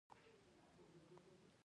ټول ترې شاوخوا کېناستل.